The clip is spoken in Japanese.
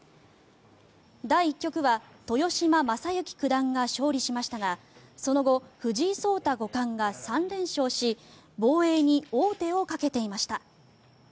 第１局は豊島将之九段が勝利しましたがその後、藤井聡太五冠が３連勝し防衛に王手をかけていました。